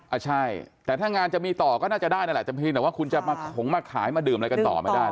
อ่ะใช่แต่ถ้างานจะมีต่อก็น่าจะได้นั่นแหละแต่เพียงแต่ว่าคุณจะมาขงมาขายมาดื่มอะไรกันต่อไม่ได้